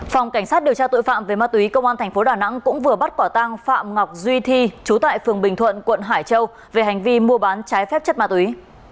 phòng cảnh sát điều tra tội phạm về má túy công an thành phố đà nẵng cũng vừa bắt quả tang phạm ngọc duy thi trú tại phường bình thuận quận hải châu về hành vi mua bán trái phép chất má túy